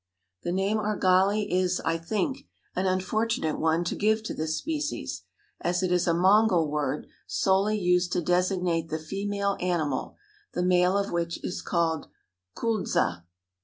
The name argali is, I think, an unfortunate one to give to this species, as it is a Mongol word solely used to designate the female animal, the male of which is called kuldza.